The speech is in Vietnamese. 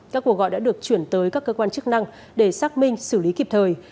các cuộc gọi đã được chuyển tới các cơ quan chức năng để xác minh xử lý kịp thời